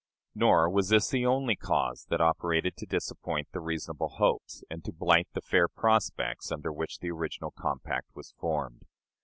Nor was this the only cause that operated to disappoint the reasonable hopes and to blight the fair prospects under which the original compact was formed.